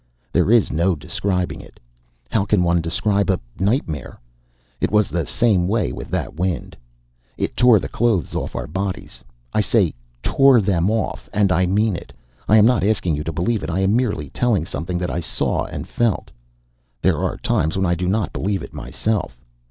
There is no describing it. How can one describe a nightmare? It was the same way with that wind. It tore the clothes off our bodies. I say TORE THEM OFF, and I mean it. I am not asking you to believe it. I am merely telling something that I saw and felt. There are times when I do not believe it myself.